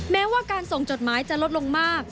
แม้ว่าการส่งจดหมายจะลดลงมาก